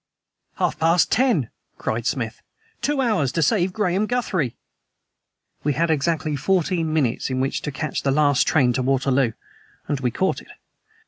"Half past ten," cried Smith. "Two hours to save Graham Guthrie!" We had exactly fourteen minutes in which to catch the last train to Waterloo; and we caught it.